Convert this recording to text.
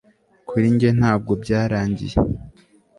kuri njye ntabwo byarangiye